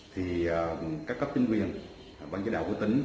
thì các cấp chính quyền băng chế đạo của tỉnh